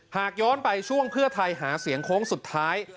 หากย้อนไปช่วงเพื่อไทยหาเสียงโค้งสุดท้าย